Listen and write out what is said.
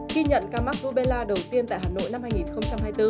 khi nhận ca mắc vubella đầu tiên tại hà nội năm hai nghìn hai mươi bốn